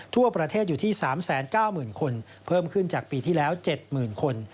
ทั่วประเทศอยู่ที่๓๙๐๐คนเพิ่มขึ้นจากปีที่แล้ว๗๐๐คน